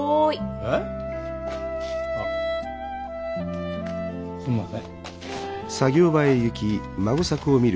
えっ？あっすんません。